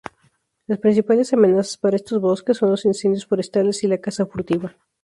Las principales amenazas para estos bosques son los incendios forestales y la caza furtiva.